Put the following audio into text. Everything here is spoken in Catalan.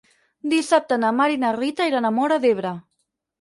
Dissabte na Mar i na Rita iran a Móra d'Ebre.